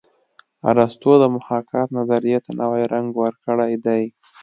ارستو د محاکات نظریې ته نوی رنګ ورکړی دی